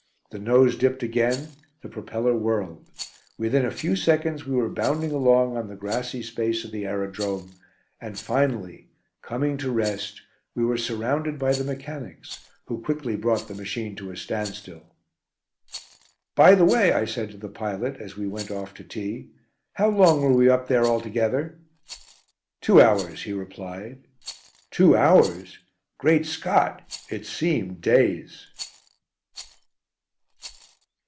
The nose dipped again, the propeller whirled. Within a few seconds we were bounding along on the grassy space of the aerodrome, and finally coming to rest we were surrounded by the mechanics, who quickly brought the machine to a standstill. "By the way," I said to the pilot, as we went off to tea, "how long were we up there altogether?" "Two hours," he replied. Two hours! Great Scott! It seemed days!